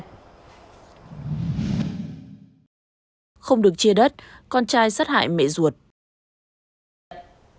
không được chia đất con trai sát hại mẹ ruột